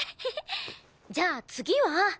じゃあ次は。